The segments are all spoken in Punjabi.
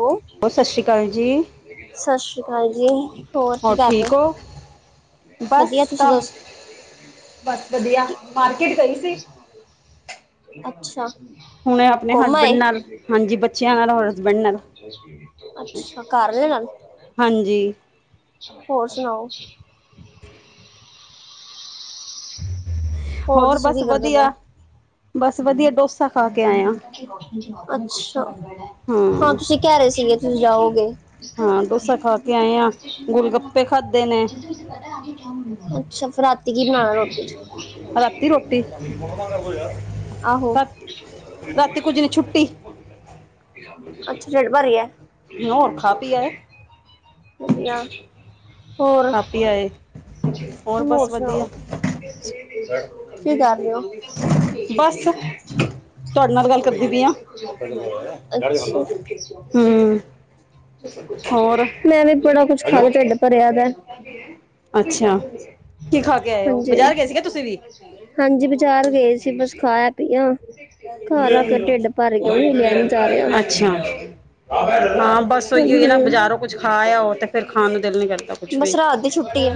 ਹੈਲੋ ਹੋਰ ਸਤਿ ਸ਼੍ਰੀ ਅਕਾਲ ਜੀ ਸਤਿ ਸ੍ਰੀ ਅਕਾਲ ਜੀ ਹੋਰ ਕੀ ਕਰ ਰਹੇ ਠੀਕ ਹੋ ਬਸ ਵਧੀਆ ਤੁਸੀਂ ਕੰਮ ਦੱਸ ਬਸ ਵਧੀਆ ਮਾਰਕੀਟ ਗਈ ਸੀ। ਅੱਛਾ ਹੁਣੇ ਆਪਣੇ ਕੋਮਾ ਹਸਬੈਂਡ ਏ ਨਾਲ ਹਾਂਜੀ ਬੱਚਿਆਂ ਨਾਲ ਹੋਰ ਹਸਬੈਂਡ ਨਾਲ ਅੱਛਾ ਘਾਰ ਹੀ ਹਨ ਹਾਂਜੀ ਹੋਰ ਸੁਣਾਓ ਹੋਰ ਦੱਸੋ ਬਸ ਕੀ ਕਰਦੇ ਪਏ ਵਧੀਆ ਬਸ ਵਧੀਆ ਡੋਸਾ ਖਾ ਕੇ ਆਏ ਹਾਂ ਅੱਛਾ ਹਾਂ ਤੁਸੀਂ ਕਹਿ ਰਹੇ ਸੀਗੇ ਤੁਸੀਂ ਜਾਓਗੇ ਹਾਂ ਤੇ ਖਾਦੇ ਨੇ ਅੱਛਾ ਫਿਰ ਰਾਤੀ ਕੀ ਬਣਾਣਾ ਰੋਟੀ ਚ ਰਾਤੀ ਰੋਟੀ ਆਹੋ ਰਾਤੀ ਕੁੱਝ ਨਹੀਂ ਛੁੱਟੀ ਅੱਛਾ ਢਿੱਡ ਭਰ ਗਿਆ ਹੋਰ ਖਾ ਪੀ ਆਏ। ਵਧੀਆ ਹੋਰ ਖਾ ਪੀ ਆਏ ਹੋਰ ਬਸ ਵਧੀਆ ਸੁਣਾਓ। ਕੀ ਕਰ ਰਏ ਔ ਬਸ ਤੁਹਾਡੇ ਨਾਲ ਗੱਲ ਕਰਦੀ ਪਈ ਆ ਅੱਛਾ ਹਮ ਸਭ ਕੁਛ ਹੋਰ [inaudible] ਮੈਂ ਵੀ ਬੜਾ ਕੁਛ ਹੈਲੋ ਖਾਦਾ, ਢਿੱਡ ਭਰਿਆ ਪਯਾ ਅੱਛਾ ਕੀ ਖਾ ਕੇ ਆਏ ਹੋ ਹਾਂਜੀ, ਬਾਜ਼ਾਰ ਗਏ ਸੀਗੇ ਤੁਸੀਂ ਵੀ ਹਾਂਜੀ ਬਜ਼ਾਰ ਗਏ ਸੀ, ਬਸ ਖਾਇਆ ਪੀਆ ਘਰ ਆ ਕੇ ਢਿੱਡ ਭਰ ਗਿਆ, ਹੁਣ ਹਿਲਯਾ ਨੀ ਜਾ ਰਿਹਾ। ਅੱਛਾ ਹਾਂ ਬਸ ਉਹੀ ਹੋਈ ਨਾ ਹਾਂਜੀ ਬਾਜ਼ਾਰੋਂ ਕੁਝ ਖਾ ਆਓ ਤੇ ਫਿਰ ਖਾਣ ਨੂੰ ਦਿਲ ਨਹੀਂ ਕਰਦਾ ਕੁਝ ਵੀ ਬਸ ਰਾਤ ਦੀ ਛੁੱਟੀ ਏ।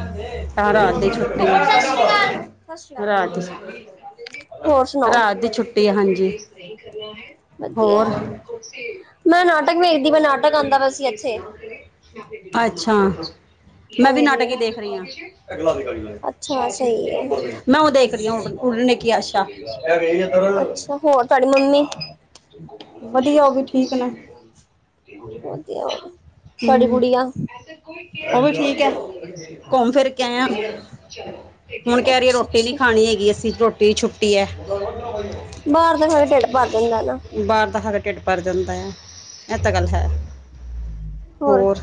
ਤਾਂ ਰਾਤ ਦੀ ਛੁੱਟੀ ਸਸ਼ ਸ਼੍ਰੀ ਰਾਤ ਦੀ ਅਕ--ਹੋਰ ਸੁਣਾਓ? ਰਾਤ ਦੀ ਛੁੱਟੀ ਹੈ ਹਾਂਜੀ ਵਧੀਆ, ਹੋਰ ਮੈਂ ਨਾਟਕ ਵੇਖਦੀ ਮੈਂ ਨਾਟਕ ਆਂਦਾ ਪਿਆ ਸੀ ਇੱਥੇ। ਅੱਛਾ। ਮੈਂ ਵੀ ਹਾਂਜੀ। ਨਾਟਕ ਈ ਦੇਖ ਰਹੀ ਆਂ। ਅੱਛਾ ਸਹੀ ਹੈ। ਮੈਂ ਉਹ ਦੇਖਦੀ ਆਂ, ਉਡਨੇ ਕੀ ਆਸ਼ਾ। ਅੱਛਾ ਹੋਰ, ਤੁਹਾਡੀ ਮੰਮੀ? ਵਧੀਆ ਉਹ ਵੀ ਠੀਕ ਨੇ ਵਧੀਆ, ਤਵਾਡੀ ਹੂੰ, ਗੁੜੀਆ? ਠੀਕ ਏ, ਉਹ ਵੀ ਠੀਕ ਐ। ਘੁੰਮ ਚਲੋ ਠੀਕ ਏ। ਐ ਕਹਿ ਰਹੀਏ, ਰੋਟੀ ਨੀ ਖਾਣੀ ਹੈਗੀ ਅਸੀਂ ਰੋਟੀ ਦੀ ਛੁੱਟੀ ਐ। ਬਾਹਰ ਦਾ ਖਾ, ਕੇ ਢਿੱਡ ਭਰ ਜਾਂਦਾ ਹਨਾ। ਬਾਹਰ ਦਾ ਖਾਕੇ ਢਿੱਡ ਭਰ ਜਾਂਦਾ ਯਾ, ਇਹ ਤਾਂ ਗੱਲ ਹੈ, ਹੋਰ?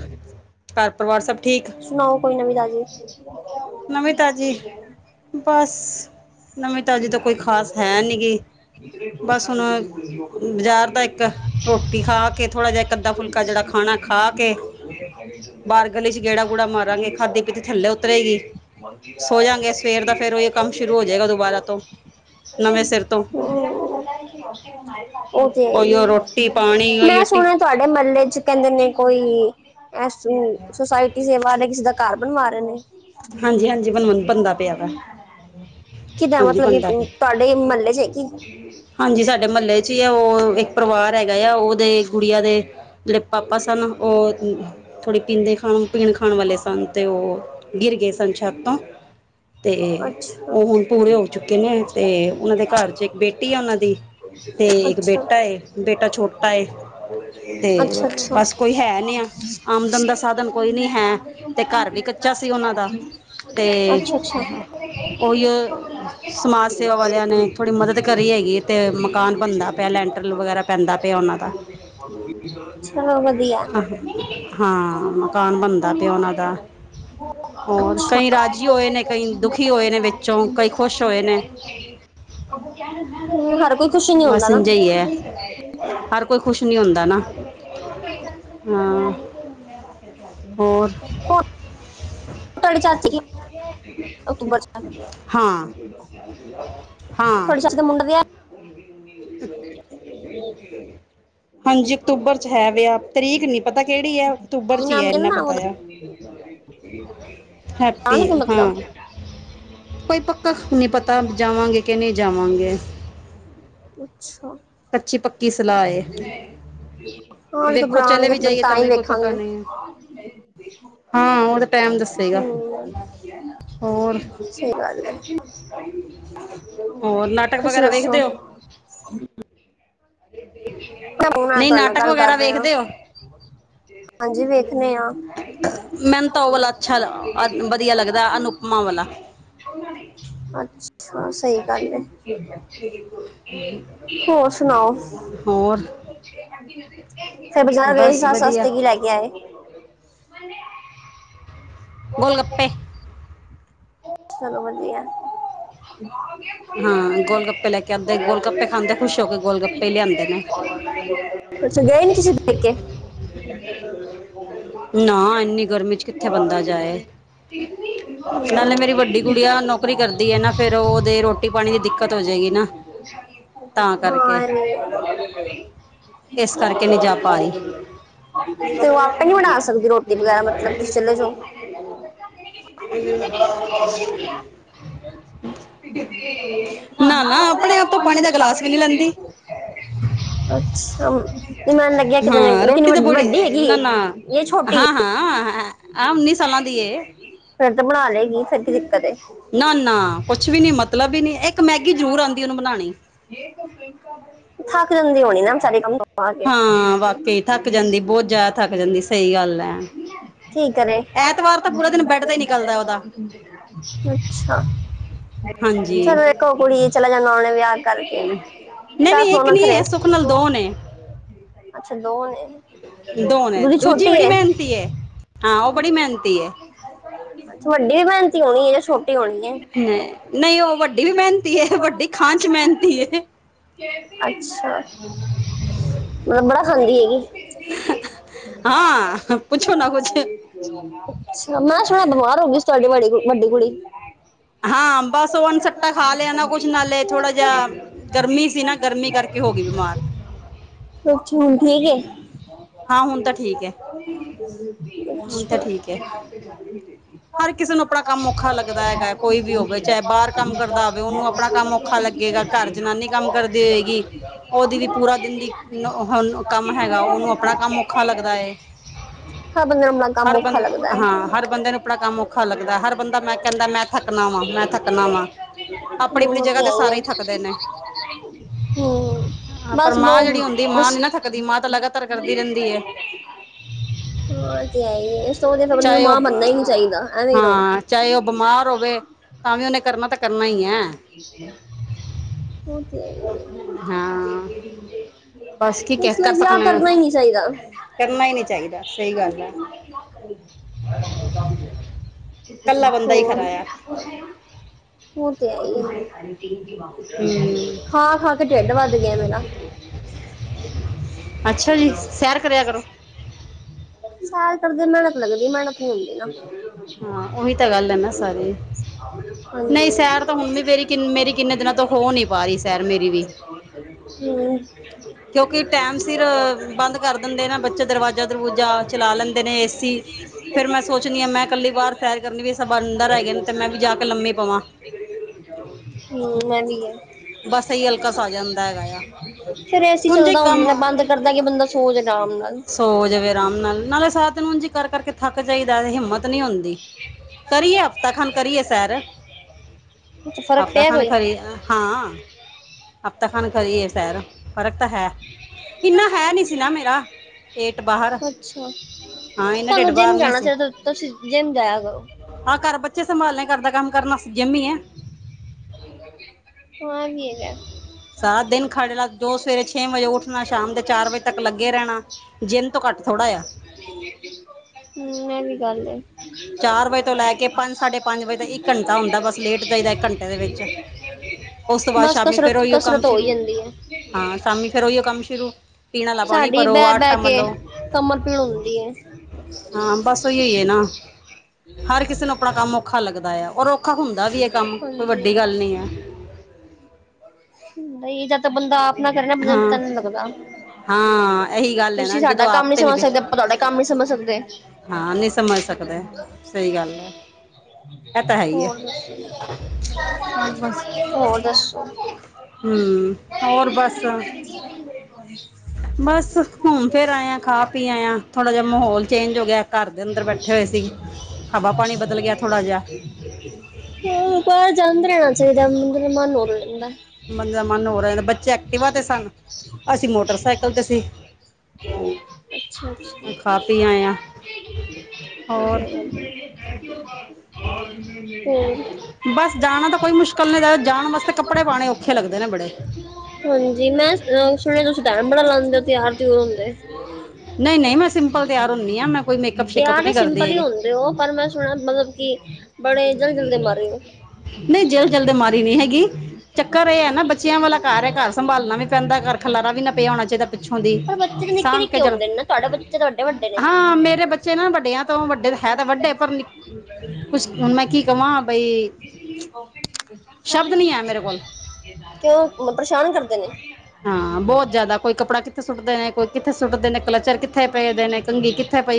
ਘਰ-ਪਰਿਵਾਰ, ਸਭ ਠੀਕ? ਸੁਣਾਓ, ਕੋਈ ਨਵੀਂ-ਤਾਜ਼ੀ? ਨਵੀਂ ਤਾਜੀ ਬਸ, ਨਵੀਂ-ਤਾਜੀ ਤਾ ਕੋਈ ਖਾਸ ਹੈਨੀ ਗੀ। ਬਸ ਹੁਣ ਬਜ਼ਾਰ ਦਾ ਇੱਕ ਰੋਟੀ ਖਾਕੇ, ਥੋੜਾ ਜਿਹਾ ਇੱਕ-ਅੱਧਾ ਫੁਲਕਾ ਜਿਹੜਾ ਖਾਣਾ ਖਾਕੇ ਰੂਮ ਦੇ [unintelligible] ਬਾਰਰ ਗਲੀ'ਚ ਗੇੜਾ-ਗੂੜਾ ਮਾਰਾਂਗੇ, ਖਾਧੀ-ਪੀਤੀ ਥੱਲੇ ਉਤਰੇਗੀ ਸੋ ਜਾਗੇ, ਸਵੇਰ ਦਾ ਫੇਰ ਉਹਹੀ ਕੰਮ ਸ਼ੁਰੂ ਹੋਜੇਗਾ ਦੁਬਾਰਾ ਤੋ ਉਮ, ਉਹ ਤੇ, ਉਹੀਓ ਰੋਟੀ ਪਾਣੀ ਮੈਂ ਉਹੀਓ ਟੀ ਸੁਣਿਆ ਤੁਹਾਡੇ ਮਹਲੇ'ਚ ਕਹਿੰਦੇ ਨੇ ਕੋਈ, ਐ ਸੋਸਾਇਟੀ ਸੇਵਾ ਆਲੇ ਕਿਸੀ ਦਾ ਘਰ ਬਣਵਾ ਰਹੇ ਨੇ। ਹਾਂਜੀ ਹਾਂਜੀ ਬਣ ਬਣਦਾ ਪਿਆ ਵਾ ਕਿਦਾਂ, ਹਾਂਜੀ ਮਤਲਬ ਬਣਦਾ ਕਿ ਪਿਆ ਤੁਹਾਡੇ ਮਹੱਲੇ'ਚ ਹੈ ਕਿ? ਹਾਂਜੀ, ਸਾਡੇ ਮਹੱਲੇ'ਚ ਈ ਆ, ਉਹ ਇੱਕ ਪਰਿਵਾਰ ਹੈਗਾ ਯਾ, ਉਹਦੇ ਗੁੜੀਆਂ ਦੇ ਪਾਪਾ ਸਨ ਉਹ ਥੋੜ੍ਹੀ ਪੀਂਦੇ ਖਾਣ, ਪੀਣ-ਖਾਣ ਵਾਲੇ ਸਨ ਤੇ ਉਹ ਗਿਰ ਗਏ ਸਨ ਛਤ ਤੋਂ ਤੇ ਅੱਛਾ ਉਹ ਹੁਣ ਪੂਰੇ ਹੋ ਚੁੱਕੇ ਨੇ, ਤੇ ਉਹਨਾਂ ਦੇ ਘਰ'ਚ ਇੱਕ ਬੇਟੀ ਆ ਉਹਨਾਂ ਦੀ। ਤੇ ਇੱਕ ਅੱਛਾ ਬੇਟਾ ਏ, ਬੇਟਾ ਛੋਟਾ ਏ, ਤੇ ਅੱਛਾ ਅੱਛਾ ਬਸ ਕੋਈ ਹੈ ਨੀ ਆ। ਆਮਦਨ ਦਾ ਸਾਧਨ ਕੋਈ ਨੀ ਹੈ, ਤੇ ਘਰ ਵੀ ਕੱਚਾ ਸ ਸੀ ਉਹਨਾਂ ਦਾ, ਤੇ ਅੱਛਾ ਅੱਛਾ ਓਹੀਓ ਸਮਾਜ ਸੇਵਾ ਵਾਲਿਆਂ ਨੇ ਥੋੜ੍ਹੀ ਮਦਦ ਕਰੀ ਹੈਗੀਏ, ਤੇ ਮਕਾਨ ਬਣਦਾ ਪਿਆ ਲੈਂਟਰ ਵਗੈਰਾ ਪੈਂਦਾ ਪਿਆ ਉਹਨਾਂ ਦਾ। ਚਲੋ, ਵਧੀਆ। ਹਾਂ, ਮਕਾਨ ਬਣਦਾ ਪਿਆ ਉਹਨਾਂ ਦਾ। [inaudible] ਔਰ ਅੱਛਾ। ਕਈ ਰਾਜੀ ਹੋਏ ਨੇ ਕਈ ਦੁਖੀ ਹੋਏ ਨੇ ਵਿੱਚੋਂ ਕਈ ਖੁਸ਼ ਹੋਏ ਨੇ ਹਰ ਕੋਈ ਖੁਸ਼ ਨੀ ਬਸ ਹੁੰਦਾ ਨਾ? ਇੰਝ ਹੀ ਹੈ ਹਰ ਕੋਈ ਖੁਸ਼ ਨਹੀਂ ਹੁੰ [unintelligible] ਹਾਂ, ਹੋਰ? ਹੋਰ ਤੁਹਾਡੀੇ ਚਾਚੀ ਤੂਆਡੇ ਹਾਂ ਹਾਂ ਸਬਦੇ ਮੁੰਡਦੇ ਆ? ਹਾਂਜੀ, ਅਕਤੂਬਰ ਚ ਹੈ ਵੇਆ। ਤਰੀਕ ਨੀ ਪਤਾ ਕੇੜੀ ਐ, ਅਕਤੂਬਰ ਕੀ ਚ ਈ ਐ, ਨਾਮ ਕਹਿੰਦਾ ਏਨਾ ਨਾਮ ਪਤਾ ਉਹਦਾ ਆ। ਹੈਪੀ, ਬੁਲਾਣਗੇ ਮਤਲਬ ਹਾਂ। ਕੋਈ ਪੱਕਾ ਖ ਨੀ ਪਤਾ ਜਾਵਾਂਗੇ ਕੇ ਨਈ ਜਾਵਾਂਗੇ। ਅੱਛਾ। ਕੱਚੀ-ਪੱਕ ਕੀ ਸਲਾਅ ਏ, ਹਾਂ ਜਦੋਂ ਵੇਖੋ ਚਲੇ ਬੁਲਾਣਗੇ ਵੀ ਫਿਰ ਜਾਈਏ ਤਾਂ ਹੀ ਵੀ ਕੋਈ ਪਤਾ ਵੇਖਾਂਗੇ ਨਈ ਐ। [inaudible] ਹੂੰ। ਹੋਰ ਸਈ ਗੱਲ ਏ, ਹੋਰ ਨਾਟਕ ਤੂਸੀ ਵਗੈਰਾ ਦੱਸੋ? [inaudible] ਹੁਣ ਆ ਨਈ ਤੁਹਾਡੇ ਨਾਲ ਨਾਟਕ ਗੱਲ ਕਰ ਵਗੈਰਾ ਰਹੇ ਹਾਂ ਵੇਖਦੇ ਓ? ਹਾਂਜੀ ਵੇਖਨੇ ਆ ਮੈਨ ਤਾ ਓ ਵਾਲਾ ਅੱਛਾ ਲ ਅ ਵਦੀਆ ਲੱਗਦੈ ਅਨੁ ਪਮਾ ਵਲਾ। ਅੱਛਾ, ਸਈ ਗਾੱਲ ਏ। ਹੋਰ ਸੁਨਾਓ? ਹੋਰ। [unintelligible] ਸਬ ਛਾੱਡ ਮੇਰੀ ਬਸ ਸਾੱਸ ਵਧੀਆ ਅਸਤੇ ਕੀ ਲੇ ਲੇਆਏ? ਗੋਲਗੱਪੇ। ਚਲੋ ਵਦੀਐ। [inaudible] ਹਾਂ ਗੋਲ ਗੱਪੇ ਲੈ ਕੇ ਆਉਂਦੇ ਗੋਲ ਗੱਪੇ ਖਾਂਦੇ ਖੁਸ਼ ਹੋ ਕੇ ਗੋਲ ਗੱਪੇ ਲਿਆਂਦੇ ਨੇ ਅੱਛਾ, ਗਏ ਨੀ ਤੂਸੀ ਪੇਕੇ? [inaudible] ਨਾ, ਇੰਨੀ ਗਰਮੀ ਚ ਕਿੱਥੇ ਬੰਦਾ ਜਾਏ। ਨਾਲੇ ਮੇਰੀ ਵੱਡੀ ਗੂੜੀਆ ਨੌਕਰੀ ਕਰਦੀ ਏ ਨਾ, ਫੇਰ ਓ ਓਦੇ ਰੋਟੀ-ਪਾਣੀ ਦੀ ਦਿੱਕਤ ਹੋ ਜੇਗੀ ਨਾ। [inaudible] ਤਾਂ ਕਰਕੇ ਇਸ ਕਰਕੇ ਨਹੀਂ ਜਾ ਪਾ ਰਹੀ ਤੇ ਓ ਆਪੇ ਨੀ ਬਣਾ ਸਕਦੀ ਰੋਟੀ ਵਗੈਰਾ, ਮਤਲਬ ਤੂਸੀ ਚਲੇ ਜੋ। [inaudible] [inaudible] [inaudible] [unintelligible] ਨਾ ਨਾ ਆਪਣੇ ਆਪ ਤੋਂ ਪਾਣੀ ਦਾ ਗਲਾਸ ਵੀ ਨਹੀਂ ਲੈਂਦੀ ਅੱਛ ਮੈਨ ਲੱਗੇਆ ਕਿੰਨੀ ਹਾਂ ਵ, ਕਿੰਨੀ ਰੋਟੀ ਤਾਂ ਵ ਬੜੀ ਵੱਡੀ ਹੈਗੀ ਨਾ ਏ ਨਾ ਯਾ ਛੋਟੀ ਏ? ਹਾਂ ਹਾਂ ਆ ਉੱਨੀ ਫੇਰ ਤੇ ਬਣਾ ਲੇਗੀ ਫਿਰ ਕੀ ਦਿੱਕਤ ਹੈ ਨਾ-ਨਾ ਕੁੱਛ ਵੀ ਨੀ ਮਤਲਬ ਈ ਨੀ, ਏੱਕ ਮੈਗੀ ਜਰੂਰ ਆਂਦੀ ਏ ਓਨੂੰ ਬਣਾਨੀ। ਥੱਕ ਜਾਂਦੀ ਹੋਣੀ ਨਾ ਵਿਚਾਰੀ ਕੰਮ ਤੋਂ ਆ ਕੇ ਹਾਂ, ਵਾਕੇਈ। ਥਾੱਕ ਜਾਂਦੀ ਬੋਤ ਜਾਦਾ ਥਾੱਕ ਜਾਂਦੀ, ਸਈ ਗਾੱਲ ਐ, ਠੀਕ ਕਰੇ ਐਤਵਾਰ ਤਾਂ ਪੂਰਾ ਦਿਨ ਬੈਠ ਤੇ ਈ ਨੀ ਨਿਕਲਦੈ ਓਦਾ। ਅੱਛਾ, ਹਾਂਜੀ ਚਲੋ ਇੱਕੋ ਓ ਕੁੜੀ ਏ, ਚਲਾ ਜਾਂਨੇ ਓਨੇ ਵੇਆ ਕੇ। ਕਾਰਕੇ, ਨਹੀਂ ਚਾਰ ਨਹੀਂ ਸੌ ਇੱਕ ਨੀ ਨਥਰੇ, ਹੈ ਸੁੱਖ ਨਾਲ ਦੋ ਨੇ ਅੱਛਾ ਦੋ ਨੇ। ਦੋ ਨੇ, ਦੂਜੀ ਛੋਟੀ ਬੜੀ ਹੈ ਮ੍ਹੈਨਤੀ ਅੱਛਾ, ਏ, ਹਾਂ ਓ ਬੜੀ ਮ੍ਹੈਨਤੀ ਏ। ਥੁਆਡੀ ਮ੍ਹੈਨਤੀ ਹੋਣੀ ਏ, ਛੋਟੀ ਹੋਣੀ ਏ। ਨਈ, ਨਈ ਓ ਵੱਡੀ ਵੀ ਮ੍ਹੈਨਤੀ ਏ, ਵੱਡੀ ਖਾਂਨ ਚ ਮ੍ਹੈਨਤੀ ਏ। ਅੱਛਾ, ਮਲਬ ਬੜਾ ਖਾਂਦੀ ਏ ਕੀ? ਹਾਂ, ਪੁੱਛੋ ਨਾ ਕੁਛ। ਮੈਂ ਸੁਣਿਆ ਬੀਮਾਰ ਹੋ ਗਈ ਸੀ ਤੁਆਡੀ ਵ ਵੱਡੀ ਕੁੜੀ। ਹਾਂ, ਬਸ ਓ ਅਨਸਟਾ ਖਾ ਲਿਆ ਨਾ, ਕੁਛ ਨਾਲੇ ਥੋੜਾ ਜਿਹੀ ਗਰਮੀ ਸੀ ਨਾ। ਗਰਮੀ ਕਰਕੇ ਹੋ ਗਈ ਬਿਮਾਰ। ਅੱਛਾ, ਹੁਣ ਹਾਂ ਹੁਣ ਠੀਕ ਤਾਂ ਠੀਕ ਹੈ ਏ। ‌ ਹੁਣ ਤਾਂ [unintelligible] ਠੀਕ ਹੈ ਅੱਛਾ ਹਰ ਨੂੰ ਆਪਣਾ ਕੰਮ ਕਿਸੇ ਔਖਾ ਲੱਗਦਾ ਹੈਗਾ ਨੂੰ ਕੋਈ ਵੀ ਹੋਵੇ ਚਾਹੇ ਆਪਣਾ ਬਾਹਰ ਕਰਦਾ ਹੋਵੇ ਕੰਮ ਉਹਨੂੰ ਆਪਣਾ ਕੰਮ ਦਾ ਔਖਾ ਲੱਗੇਗਾ ਘਰ ਮੌਕਾ ਜਨਾਨੀ ਕੰਮ ਲੱਗਦਾ। ਕਰਦੀ ਹੋਏਗੀ [unintelligible] ਾਂ ਉਹਦੀ ਵੀ ਪੂਰਾ ਦਿਨ ਦੀ ਨ ਹੁਣ ਕੰਮ ਹੈਗਾ ਉਹਨੂੰ ਆਪਣਾ ਕੰਮ ਔਖਾ ਲੱਗਦਾ ਹੈ [unintelligible] ਸਬ ਬੰਦਿਆਂ ਨੂੰ ਆਪਣਾ ਕੰਮ ਹਰ ਔਖਾ ਬੰਦਾ ਲੱਗਦਾ ਐ। ਹਾਂ ਹਰ ਬੰਦੇ ਨੂੰ ਆਪਣਾ ਕੰਮ ਔਖਾ ਲੱਗਦਾ, ਹਰ ਬੰਦਾ ਮੈਂ ਕੈਂਦਾ ਮੈਂ [unintelligible] ਵੋ ਥੱਕਣਾ ਤੇ ਵਾਂ ਮੈਂ ਥੱਕਣਾ ਵਾਂ ਆਪਣੀ ਆਪਣੀ ਜਗ੍ਹਾ ਤੇ ਸਾਰੇ ਹੀ ਥੱਕਦੇ ਨੇ ਐ ਈ ਐ ਹੂੰ, ਹਾਂ, ਪਰ ਬਸ ਮਾਂ ਲੋਗ ਜਿਹੜੀ ਹੁੰਦੀ ਮਾਂ ਬਸ ਨਹੀਂ [unintelligible] ਨਾ ਥੱਕਦੀ ਮਾਂ ਤਾਂ ਲਗਾਤਾਰ ਕਰਦੀ ਰਹਿੰਦੀ ਹੈ ਓਤੇ ਐ ਈ ਏ, ਇਸ ਤੋਂ ਵਧੀਆ ਬੰਦੇ ਨੂੰ ਮਾਂ ਬੰਨਨਾ ਈ ਨੀ ਚਾਈਦਾ ਐਵੇਂ ਈ ਰਵੋ। ਚਾਏ ਓ ਬਿਮਾਰ ਹੋਵੇ ਤਾਂ ਵੀ ਓਨੇ ਕਰਨਾ ਤੇ [unintelligible] ਓ ਤੇ ਐ ਈ ਏ, ਹਾਂ ਬਸ ਕੀ [unintelligible] ਕਹਿ ਇਸ ਕਰ ਲਈ ਵਿਆ ਸਕਨੇ ਆ ਕਰਨਾ ਈ ਨੀ ਚਾਈਦਾ। ਕਰਨਾ ਈ ਨੀ ਚਾਈਦਾ, ਸਈ ਗੱਲ ਐ। [unintelligible] ਕੱਲਾ ਬੰਦਾ ਈ ਖਰਾ ਆ। ਪੁਛ ਲੈਣਾ। ਓ ਤੇ ਐ ਈ ਏ, ਹੂੰ ਖਾ-ਖਾ ਕੇ ਢਿੱਡ ਵੱਧ ਗਿਆ ਮੇਰਾ। ਅੱਛਾ ਜੀ, ਸੈਰ ਕਰਿਆ ਕਰੋ। ਸੈਰ ਕਰਦੇ ਮੇਹਨਤ ਲੱਗਦੀ, ਮੇਹਨਤ ਨੀ ਹੁੰਦੀ ਨਾ। ਇਹ ਤਾ ਗੱਲ ਐ ਨਾ ਸਾਰੀ। ਹਾਂਜੀ [unintelligible] ਹੂੰ ਨਹੀਂ ਸੈਰ ਤਾਂ ਹੁਣ ਵੀ ਮੇਰੀ ਕਿੰਨ ਮੇਰੀ ਕਿੰਨੇ ਦਿਨਾਂ ਤੋਂ ਹੋ ਨਹੀਂ ਪਾ ਰਹੀ ਸੈਰ ਮੇਰੀ ਵੀ ਕਿਉਂਕਿ [unintelligible] ਬੱਚ ਦਰਵਾਜ਼ਾ-ਦਰਵੂਜਾ ਚਲਾ ਲੈਂਦੇ ਨੇ, ਏ ਸੀ ਫੇਰ ਮੈਂ ਸੋਚਣੀ ਆਂ ਮੈਂ ਕੱਲੀ ਬਾਰ ਸੈਰ ਕਰਨੀ ਪੀਆ, ਸਭ ਅੰਦਰ ਹੈਗੇ ਨੇ ਤੇ ਮੈਂ ਵੀ ਜਾ ਕੇ ਲੰਮੀ ਹੂੰ, ਐਵੀ ਐ। ਬਸ ਏਈ ਅਲਕਸ ਆ ਜਾਂਦਾ ਹੈਗਾ ਆ। ਫਿਰ ਏ ਸੀ ਹੁਣ ਜੇ ਚੱਲਦਾ ਕੰਮ ਹੁੰਦਾ ਬੰਦ ਕਰਦਾ ਕਿ ਬੰਦਾ ਸੋ ਜੇ ਅਰਾਮ ਨਾਲ। ਸੋ ਜਵੇ ਰਾਮ ਨਾਲ, ਨਾਲੇ ਸਾਰਾ ਦਿਨ ਉਂਜ ਈ ਕਰ- ਕਰਕੇ ਥੱਕ ਜਾਈਦਾ ਹਿੰਮਤ ਨੀ ਹੁੰਦੀ। ਕਰੀ ਏ ਹਫ਼ਤਾ ਖੰਠ ਕਰਿਏ ਸੈਰ। ਅੱਛਾ ਫਰਕ ਹਫਤਾ ਪਿਆ ਖਢ ਕੋਈ ਕਰਿਏ ਨਾ। ਹਾਂ, ਹਫ਼ਤਾ ਖਢ ਕਰੀ ਏ ਸੈਰ ਫ਼ਰਕ ਤਾਂ ਹੈ। ਇੰਨਾ ਹੈ ਨੀ ਸੀ ਨਾ ਮੇਰਾ ਪੇਟ ਬਾਹਰ, ਅੱਛਾ ਹਾਂ ਏਨਾਂ ਤੁਹਾਨੂੰ ਜਿੰਮ ਜਾਣਾ ਚਾਈਦਾ ਤੁਸੀਂ ਜਿੰਮ ਜਾਇਆ ਕਰੋ। ਆ ਘਰ ਬੱਚੇ ਸੰਭਾਲਣੇ, ਘਰ ਦਾ ਕੰਮ ਕਰਨਾ ਅਸੀ ਜਿੰਮ ਈ ਐ। [unintelligible] ਹਾ ਸਾਰਾ ਦਿਨ ਖੜ ਲਤ ਜੋ ਸਵੇਰੇ ਛੇ ਵਜੇ ਉੱਠਣਾ, ਸ਼ਾਮ ਦੇ ਚਾਰ ਵਜੇ ਤੱਕ ਲੱਗੇ ਰੈਣਾ। ਜਿੰਮ ਤੋਂ ਘੱਟ ਥੋੜ੍ਹਾ ਆ। ਹੂੰ, ਏ ਵੀ ਗੱਲ ਏ। ਚਾਰ ਵਜੇ ਤੋਂ ਲੈ ਕੇ ਪੰਜ-ਸਾਢੇ ਪੰਜ ਵਜੇ ਤਕ ਇੱਕ ਘੰਟਾ ਹੁੰਦਾ, ਬਸ ਲੇਟ ਜਾਈਦਾ ਇੱਕ ਘੰਟੇ ਦੇ ਵਿੱਚ। ਉਸ ਤੋਂ ਬਾਦ ਬਸ ਸ਼ਾਮੀ ਫੇਰ ਕਸਰਤ ਓਈਓ ਕੰਮ ਕਸਰਤ ਹੋ ਹੀ ਸ਼ੁਰੂ, ਜਾਂਦੀ ਹੈ ਹਾਂ ਸ਼ਾਮੀ ਫੇਰ ਓਈਓ ਕੰਮ ਸ਼ੁਰੂ। ਪੀਣ ਅਲਾ ਪਾਣੀ ਸਾਡੀ ਭਰੋ, ਬਹਿ ਬਹਿ ਆਟਾ ਕੇ ਮੱਲੋ। ਕਮਰ ਪੀੜ ਹੁੰਦੀ ਏ। ਹਾਂ ਬਸ ਉਈ-ਉਈ ਏ ਨਾ। ਹਰ ਕਿਸੇ ਨੂੰ ਆਪਣਾ ਕੰਮ ਔਖਾ ਲੱਗਦਾ ਆ ਔਰ ਔਖਾ ਹੁੰਦਾ ਵੀ ਐ ਕੰਮ ਕੋਈ ਵੱਡੀ ਗੱਲ ਨੀ ਐ। ਬਈ ਤਾਂ 'ਤੇ ਬੰਦਾ ਆਪ ਨਾ ਕਰੇ ਨਾ ਬੰਦੇ ਨੂੰ ਪਤਾ ਹਾਂ ਨੀ ਲੱਗਦਾ। ਹਾਂ ਇਹੀ ਗੱਲ ਹੈ ਨਾ ਤੁਸੀਂ ਜਦੋਂ ਸਾਡਾ ਕੰਮ ਆਪ ਨੀ ਤੇ ਸਮਝ ਵੇਚ ਸਕਦੇ, ਆਪਾਂ ਤੁਹਾਡਾ ਕੰਮ ਨੀ ਸਮਝ ਸਕਦੇ। ਹਾਂ ਨਈ ਸਮਝ ਸਕਦੇ, ਸਈ ਗੱਲ ਐ। ਐ ਤਾਂ ਹੈ ਈ ਐ। ਹੋਰ ਦੱਸੋ ਹੋਰ ਦੱਸੋ ਹੂੰ ਹੋਰ ਬਸ [inaudible] ਬਸ ਘੁੰਮ ਫਿਰ ਆਏ ਆ, ਖਾ ਪੀ ਆਏ ਆ ਥੋੜਾ ਜਾ ਮਾਹੌਲ ਚੇਂਜ ਹੋ ਗਿਆ ਘਰ [inaudible] ਦੇ ਅੰਦਰ ਬੈਠੇ ਹੋਏ ਸੀ ਹਵਾ ਪਾਣੀ ਬਦਲ ਗਿਆ ਥੋੜਾ ਜਿਹਾ ਓ ਤਾਰਾ ਜਨ ਰੇਆ। ਬੰਦੇ ਦਾ ਮਨ ਹੋ ਰੇ ਨੇ ਬੱਚੇ ਐਕਟਿਵਾ 'ਤੇ ਸਨ ਅਸੀਂ ਮੋਟਰਸਾਈਕਲ 'ਤੇ ਸੀ। ਕਿਉਂ? ਅੱਛਾ-ਅੱਛਾ। ਖਾ ਪੀ ਆਏ ਆ ਹੋਰ ਹੋਰ। ਬਸ ਜਾਣਾ ਤਾਂ ਕੋਈ ਮੁਸ਼ਕਿਲ ਨੀ ਦੇ ਜਾਣ ਵਾਸਤੇ ਕੱਪੜੇ ਪਾਣੇ ਔਖੇ ਲੱਗਦੇ ਨੇ ਬੜੇ। ਹਾਂਜੀ ਮੈਂ ਅ ਸੁਣਿਆ ਤੁਸੀਂ ਟੈਮ ਬੜਾ ਲਾਂਦੇ ਓ ਤਿਆਰ ਤਿਉਰ ਹੁੰਦੇ। ਨਹੀਂ ਨਹੀਂ ਮੈਂ ਸਿੰਪਲ ਤਿਆਰ ਹੁੰਨੀ ਆ ਮੈਂ ਕੋਈ ਮੇਕਅਪ ਸ਼ੇਕਅਪ ਤਿਆਰ ਤਾਂ ਨਹੀਂ ਕਰਦੀ ਸਿੰਪਲ ਈ ਹੈਗੀ ਹੁੰਦੇ ਓ। ਪਰ ਮੈਂ ਸੁਣਿਆ ਮਤਲਬ ਕਿ ਬੜੇ ਜਲ-ਜਲ ਦੇ ਮਾਰੇ ਓ। [inaudible] ਨਹੀਂ ਜਲ ਜਲ ਦੇ ਮਾਰੀ ਨਹੀਂ ਹੈਗੀ ਚੱਕਰ ਇਹ ਹੈ ਨਾ ਬੱਚਿਆਂ ਵਾਲਾ ਘਰ ਹੈ ਘਰ ਸੰਭਾਲਣਾ ਵੀ ਪੈਂਦਾ ਘਰ ਖਲਾਰਾ ਵੀ ਨਾ ਪਿਆ ਹੋਣਾ ਚਾਹੀਦਾ ਪਿੱਛੋਂ ਦੀ ਪਰ ਬੱਚੇ ਤਾਂ ਸਾਂਭ ਕੇ ਨਿੱਕੇ-ਨਿੱਕੇ ਜਨ ਹੁੰਦੇ ਨੇ ਨਾ ਤੁਹਾਡੇ ਬੱਚੇ ਤਾਂ ਐਡੇ ਵੱਡੇ ਨੇ। ਚੇ ਨਾ ਵੱਡਿਆਂ ਤੋਂ ਵੱਡੇ ਹੈ ਤਾਂ ਵੱਡੇ ਪਰ ਨਿ, ਕੁਛ ਹੁਣ ਮੈਂ ਕੀ ਕਵਾਂ ਬਈ [inaudible] ਸ਼ਬਦ ਨਹੀਂ ਹੈ ਮੇਰੇ ਕੋਲ 'ਤੇ ਓ ਪ੍ਰੇਸ਼ਾਨ ਕਰਦੇ ਨੇ? ਹਾਂ ਬਹੁਤ ਜ਼ਿਆਦਾ ਕੋਈ ਕੱਪੜਾ ਕਿੱਥੇ ਸੁੱਟਦੇ ਨੇ, ਕੋਈ ਕਿੱਥੇ ਸੁੱਟਦੇ ਨੇ, ਕਲੱਚਰ ਕਿੱਥੇ ਪਏ ਦੇ ਨੇ ਕੰਘੀ ਕਿੱਥੇ ਪਈ